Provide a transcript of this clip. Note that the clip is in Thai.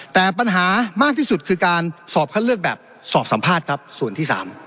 แต่ปัญหามากที่สุดคือการสอบคัดเลือกแบบสอบสัมภาษณ์ครับส่วนที่๓